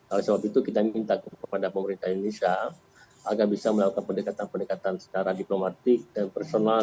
oleh sebab itu kita minta kepada pemerintah indonesia agar bisa melakukan pendekatan pendekatan secara diplomatik dan personal